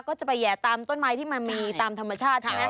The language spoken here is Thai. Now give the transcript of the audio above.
ก็จะไปแหย่ตามต้นไม้ที่มีตามธรรมชาติ